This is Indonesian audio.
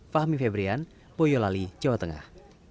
fahmi febrian boyolali jawa tengah